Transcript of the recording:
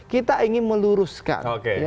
kita ingin meluruskan